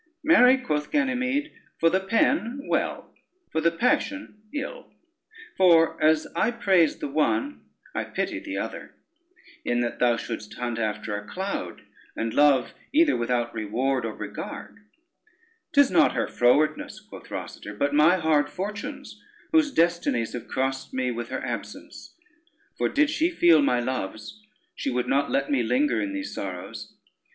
"Marry," quoth Ganymede, "for the pen well, for the passion ill; for as I praise the one, I pity the other, in that thou shouldst hunt after a cloud, and love either without reward or regard." "'Tis not her frowardness," quoth Rosader, "but my hard fortunes, whose destinies have crossed me with her absence; for did she feel my loves, she would not let me linger in these sorrows.